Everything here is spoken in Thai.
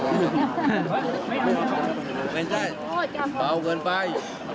มายังไงเปล่าเกินไป